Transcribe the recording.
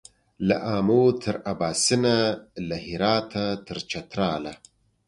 له آمو تر اباسینه له هراته تر چتراله